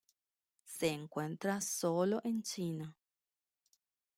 Se encuentra solo en China.